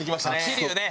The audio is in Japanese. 桐生ね！